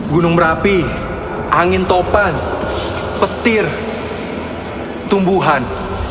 gunung merapi angin topan petir tumbuhan